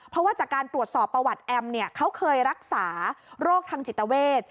เพราะว่าจากการตรวจสอบประวัติแอมเนี่ยเขาเคยรักษาโรคทางจิตเวท